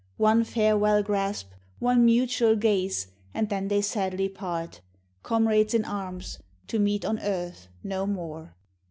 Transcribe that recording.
_ One farewell grasp, One mutual gaze, and then they sadly part, Comrades in arms, to meet on earth no more.